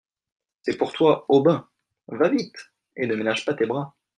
C’est pour toi, Aubin !… va vite ! et ne ménage pas tes bras.